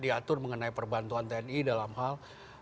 diatur mengenai perbantuan tni dalam hal